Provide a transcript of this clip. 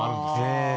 へえ。